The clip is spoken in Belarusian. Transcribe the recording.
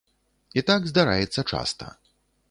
І так здараецца часта.